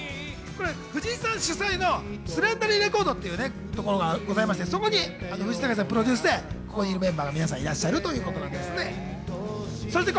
藤井さん主催のスレンダリーレコードというところがございまして、そこに藤井隆さんプロデュースでここにいるメンバーの皆さんがいらっしゃるということなんです。